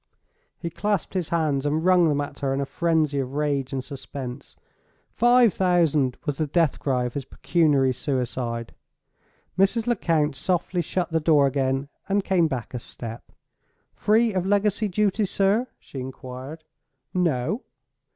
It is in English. He clasped his hands, and wrung them at her in a frenzy of rage and suspense. "Five thousand" was the death cry of his pecuniary suicide. Mrs. Lecount softly shut the door again, and came back a step. "Free of legacy duty, sir?" she inquired. "No."